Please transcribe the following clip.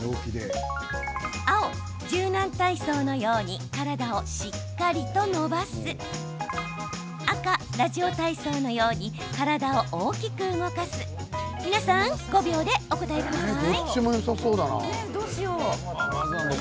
青・柔軟体操のように体をしっかりと伸ばす赤・ラジオ体操のように体を大きく動かす皆さん、５秒でお答えください。